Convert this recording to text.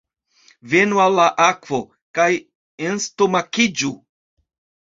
Venu al la akvo, kaj enstomakiĝu!